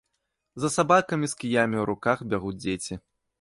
За сабакамі з кіямі ў руках бягуць дзеці.